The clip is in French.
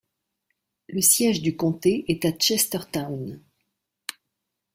Le siège du comté est à Chestertown.